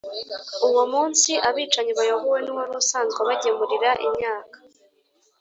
Uwo munsi Abicanyi bayobowe n’ uwari usanzwe abagemurira imyaka